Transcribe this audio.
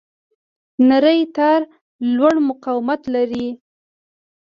نری تار لوړ مقاومت لري.